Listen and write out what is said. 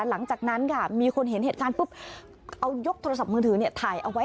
หลังจากนั้นค่ะมีคนเห็นเหตุการณ์ปุ๊บเอายกโทรศัพท์มือถือถ่ายเอาไว้